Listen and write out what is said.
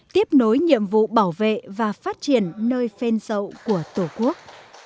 tiếp nối nhiệm vụ bảo vệ và phát triển nơi phên dậu của tổ quốc